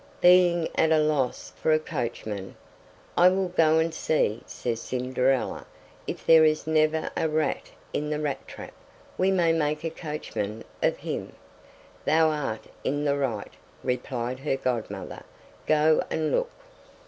Being at a loss for a coachman, "I will go and see," says Cinderella, "if there is never a rat in the rat trap we may make a coachman of him." "Thou art in the right," replied her godmother; "go and look."